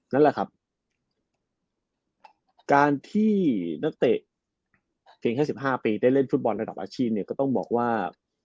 นั่นแหละครับการที่นักเตะเพียงแค่๑๕ปีได้เล่นฟุตบอลระดับอาชีพเนี่ยก็ต้องบอกว่า